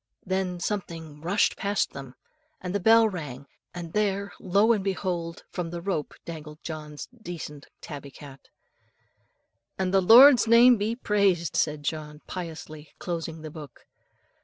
Then something rushed past them, and the bell rang, and there, lo, and behold! from the rope dangled John's decent tabby cat. "And the Lord's name be praised," said John piously, closing the book.